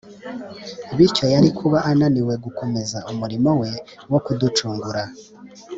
Bityo yari kuba ananiwe gukomeza umurimo we wo kuducungura.